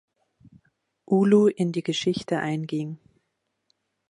Ulu in die Geschichte einging.